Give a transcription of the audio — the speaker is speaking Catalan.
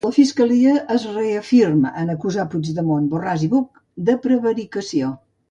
La fiscalia es reafirma en acusar Puigdemont, Borràs i Buch de prevaricació.